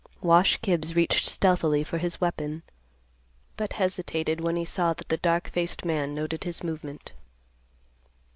Wash Gibbs reached stealthily for his weapon, but hesitated when he saw that the dark faced man noted his movement.